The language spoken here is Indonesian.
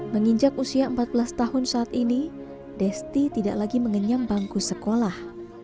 menginjak usia empat belas tahun saat ini desti tidak lagi mengenyam bangku sekolah